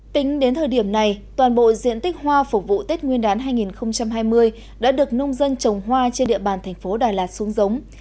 tính đến thời điểm này toàn bộ diện tích hoa phục vụ tết nguyên đán hai nghìn hai mươi đã được nông dân trồng hoa trên địa bàn thành phố đà lạt xuống giống